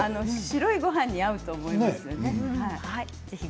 白いごはんに合うと思います。